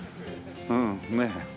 うんねえ。